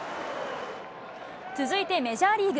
続いてメジャーリーグ。